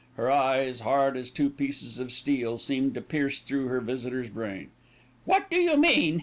Her eyes, hard as two pieces of steel, seemed to pierce through her visitor's brain. "What do you mean?"